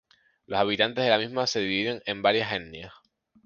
Los habitantes de la misma se dividen en varias etnias.